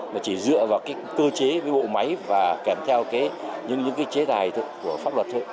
mà chỉ dựa vào cơ chế với bộ máy và kèm theo những chế tài của pháp luật thôi